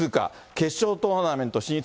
決勝トーナメント進出。